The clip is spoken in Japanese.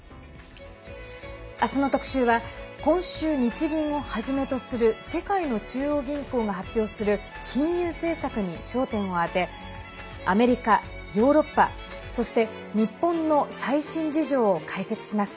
明日の特集は今週、日銀をはじめとする世界の中央銀行が発表する金融政策に焦点を当てアメリカ、ヨーロッパ、そして日本の最新事情を解説します。